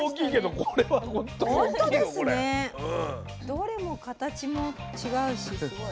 どれも形も違うしすごい。